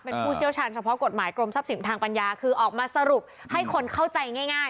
เป็นผู้เชี่ยวชาญเฉพาะกฎหมายกรมทรัพย์สินทางปัญญาคือออกมาสรุปให้คนเข้าใจง่าย